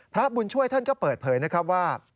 พระบุญช่วยท่านก็เปิดเผยว่า